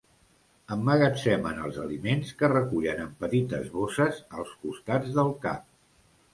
Emmagatzemen els aliments que recullen en petites bosses als costats del cap.